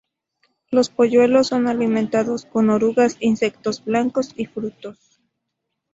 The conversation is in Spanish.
Los polluelos son alimentados con orugas, insectos blandos y frutos.